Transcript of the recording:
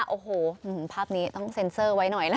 โอ้โหภาพนี้ต้องเซ็นเซอร์ไว้หน่อยนะคะ